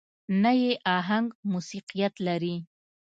نه يې اهنګ موسيقيت لري.